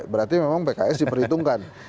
berarti memang pks diperhitungkan